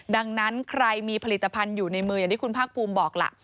ดังนั้นใครมีผลิตภัณฑ์อยู่ในมืออย่างที่คุณภาคภูมิบอกล่ะ